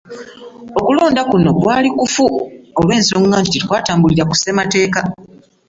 Okulonda kuno kwali kufu olw'ensonga nti tekwatambulira ku Ssemateeka